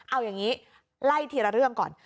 เอาอย่างนี้ไล่ทีละเรื่องก่อน